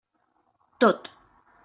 Tot.